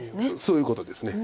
そういうことです。